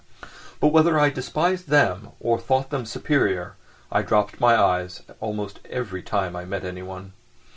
But whether I despised them or thought them superior I dropped my eyes almost every time I met anyone.